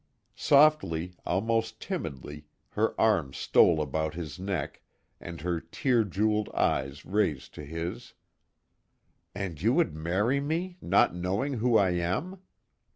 Softly, almost timidly, her arms stole about his neck, and her tear jeweled eyes raised to his: "And you would marry me, not knowing who I am?"